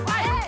bukan lu juga